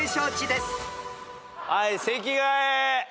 はい席替え。